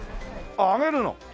あっあげるの？